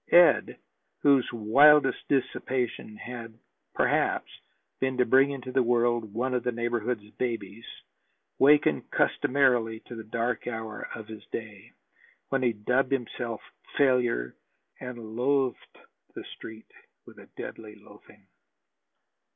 Ed, whose wildest dissipation had perhaps been to bring into the world one of the neighborhood's babies, wakened customarily to the dark hour of his day, when he dubbed himself failure and loathed the Street with a deadly loathing.